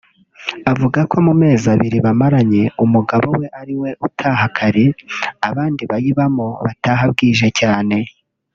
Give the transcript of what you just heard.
Avuga ko mu mezi abiri bamaranye umugabo we ariwe utaha kare abandi bayibamo bataha bwije cyane